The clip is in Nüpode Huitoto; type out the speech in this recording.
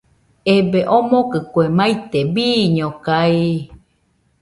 Ebee, omokɨ kue maite, bɨñokaɨɨɨ